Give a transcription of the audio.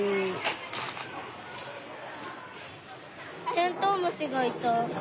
テントウムシがいた。